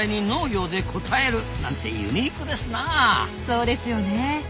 そうですよね。